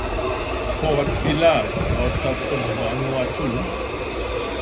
Port Vila ist die Hauptstadt von Vanuatu.